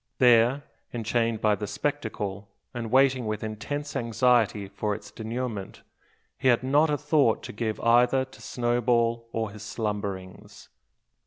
There, enchained by the spectacle, and waiting with intense anxiety for its denouement, he had not a thought to give either to Snowball or his slumberings.